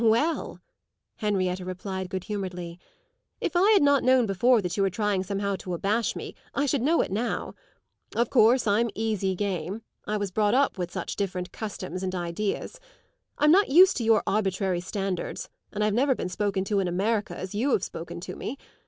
"Well," Henrietta replied good humouredly, "if I had not known before that you were trying somehow to abash me I should know it now. Of course I'm easy game I was brought up with such different customs and ideas. I'm not used to your arbitrary standards, and I've never been spoken to in America as you have spoken to me.